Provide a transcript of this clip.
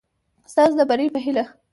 ستاسو د بري په هېله